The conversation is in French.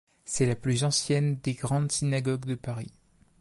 C'est la plus ancienne des grandes synagogues de Paris.